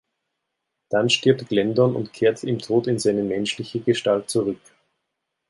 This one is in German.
Dann stirbt Glendon und kehrt im Tod in seine menschliche Gestalt zurück.